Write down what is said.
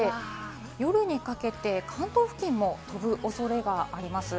夜にかけて関東付近も飛ぶ恐れがあります。